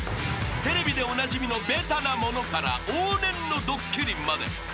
［テレビでおなじみのベタなものから往年のドッキリまで］